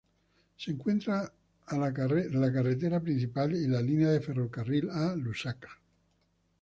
Se encuentra la carretera principal y la línea de ferrocarril a Lusaka.